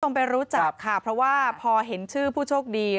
ไปรู้จักค่ะเพราะว่าพอเห็นชื่อผู้โชคดี